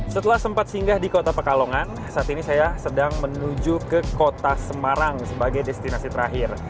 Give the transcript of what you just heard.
setelah sempat singgah di kota pekalongan saat ini saya sedang menuju ke kota semarang sebagai destinasi terakhir